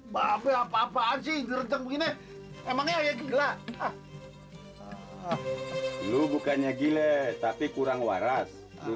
babel apa apaan sih jerenjang begini emangnya ya gila lu bukannya gile tapi kurang waras lu